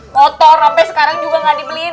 motor sampe sekarang juga ga dibeliin